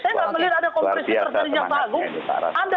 saya melihat ada kompresi yang terjadi yang bagus